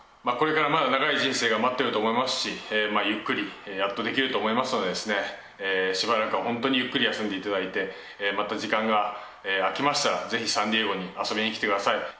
これからまだ長い人生が待っていると思いますし、ゆっくり、やっとできると思いますので、しばらくは本当にゆっくり休んでいただいて、また時間が空きましたら、ぜひサンディエゴに遊びに来てください。